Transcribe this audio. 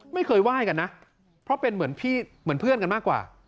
ไม่เคยไหว้กันนะเพราะเป็นเหมือนเพื่อนกันมากกว่า